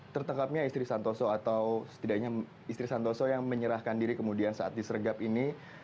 tertangkapnya istri santoso atau setidaknya istri santoso yang menyerahkan diri kemudian saat disergap ini